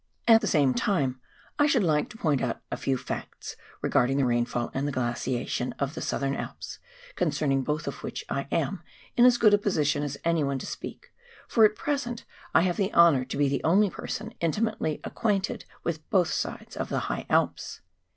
At the same time I should like to point out a few facts regarding the rainfall and the glaciation of the Southern Alps, concerning both of which I am in as good a position as anyone to speak, for at present I have the honour to be the only person in timately acquainted with both sides of the High Alps.